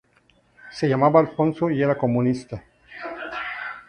Se llamaba Alonso y era comunista.